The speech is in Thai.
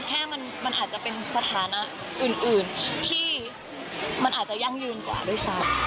แค่มันอาจจะเป็นสถานะอื่นที่มันอาจจะยั่งยืนกว่าด้วยซ้ำ